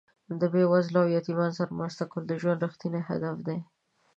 د بې وزلو او یتیمانو سره مرسته کول د ژوند رښتیني هدف دی.